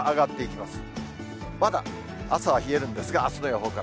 まだ朝は冷えるんですが、あすの予報から。